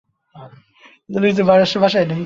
তিনি বৃটিশ শাসকের কোপদৃষ্টিতে পড়েন।